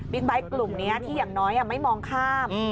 ไบท์กลุ่มนี้ที่อย่างน้อยไม่มองข้าม